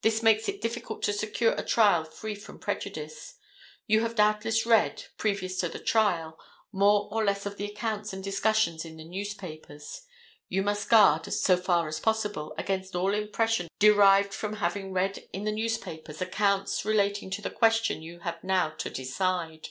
This makes it difficult to secure a trial free from prejudice. You have doubtless read, previous to the trial, more or less of the accounts and discussions in the newspapers. You must guard, so far as possible, against all impressions derived from having read in the newspapers accounts relating to the question you have now to decide.